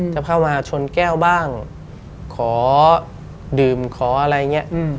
จะเข้ามาชนแก้วบ้างขอดื่มขออะไรอย่างนี้